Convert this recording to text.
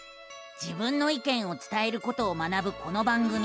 自分の意見を伝えることを学ぶこの番組。